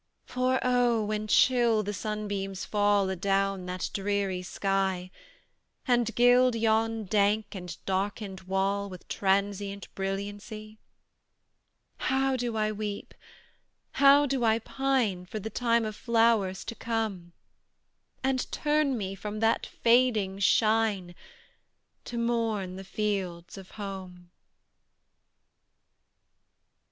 For, oh! when chill the sunbeams fall Adown that dreary sky, And gild yon dank and darkened wall With transient brilliancy; How do I weep, how do I pine For the time of flowers to come, And turn me from that fading shine, To mourn the fields of home!